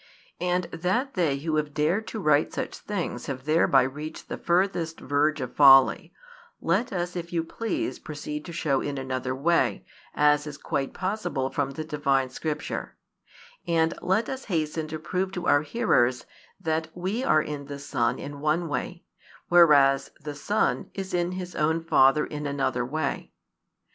And that they who have dared to write such things have thereby reached the furthest verge of folly, let us if you please proceed to show in another way, as is quite possible, from the Divine Scripture; and let us hasten to prove to our hearers that we are in the Son in one way, whereas the Son is in His own Father in another way.